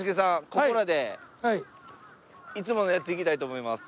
ここらでいつものやついきたいと思います。